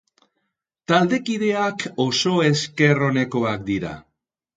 Taldekideak oso esker onekoak dira.